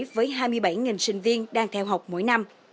với hai mươi bảy sinh viên đang theo học mỗi năm